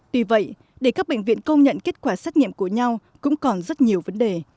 tuy vậy để các bệnh viện công nhận kết quả xét nghiệm của nhau cũng còn rất nhiều vấn đề